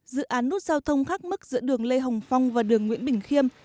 dự án nút giao thông khắc mức giữa đường lê hồng phong và đường nguyễn bình khiêm